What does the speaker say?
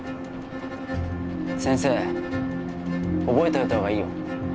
先生覚えといた方がいいよ。